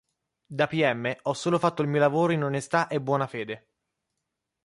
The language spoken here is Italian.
Da pm, ho solo fatto il mio lavoro in onestà e buona fede".